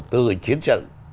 từ chiến tranh